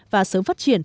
và sớm phát triển